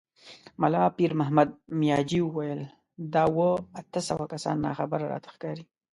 ملا پيرمحمد مياجي وويل: دا اووه، اته سوه کسان ناخبره راته ښکاري.